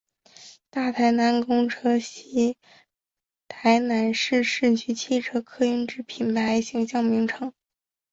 大台南公车系台南市市区汽车客运之品牌形象名称。